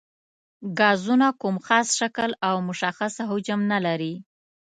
ګازونه کوم خاص شکل او مشخص حجم نه لري.